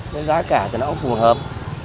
cái giá cả thì nó cũng phù hợp